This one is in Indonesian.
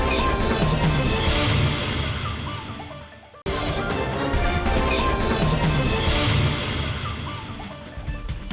untuk mendapatkan informasi terbaru dari pak jokowi